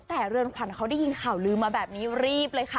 แต่เรือนขวัญเขาได้ยินข่าวลืมมาแบบนี้รีบเลยค่ะ